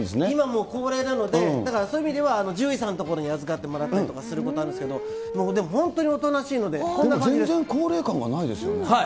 今もう高齢なので、だから、そういう意味では獣医さんの所に預かってもらったりとかすることあるんですけれども、もうでも本当におとなしいので、こんな感じ全然高齢感がないですよね。